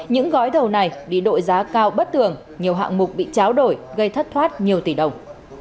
những gói thầu này bị đội giá cao bất thường nhiều hạng mục bị cháo đổi gây thất thoát nhiều tỷ đồng